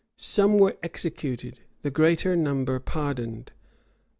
[] Some were executed; the greater number pardoned.